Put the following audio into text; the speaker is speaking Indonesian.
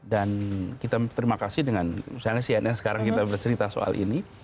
dan kita terima kasih dengan misalnya cnn sekarang kita bercerita soal ini